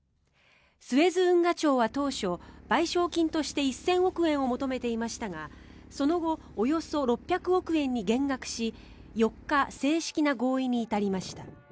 スエズ運河庁は当初、賠償金として１０００億円を求めていましたがその後およそ６００億円に減額し４日、正式な合意に至りました。